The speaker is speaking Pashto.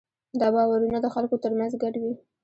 دا باورونه د خلکو ترمنځ ګډ وي.